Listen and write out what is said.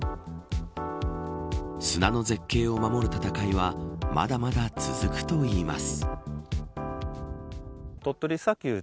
砂の絶景を守る戦いはまだまだ続くといいます。